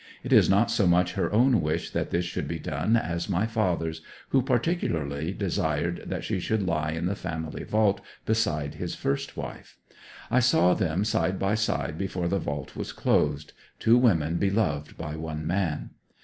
It was not so much her own wish that this should be done as my father's, who particularly desired that she should lie in the family vault beside his first wife. I saw them side by side before the vault was closed two women beloved by one man.